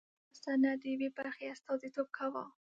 هر سند د یوې برخې استازیتوب کاوه.